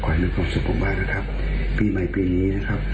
มีความสุขมากนะครับปีใหม่ปีนี้นะครับ